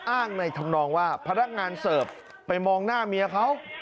อ้างในธรรมนองว่าพนักงานเสิร์ฟไปมองหน้าเมียเขา